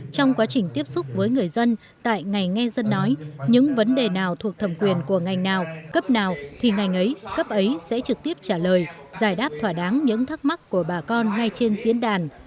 trong quá trình tiếp xúc với người dân tại ngày nghe dân nói những vấn đề nào thuộc thẩm quyền của ngành nào cấp nào thì ngành ấy cấp ấy sẽ trực tiếp trả lời giải đáp thỏa đáng những thắc mắc của bà con ngay trên diễn đàn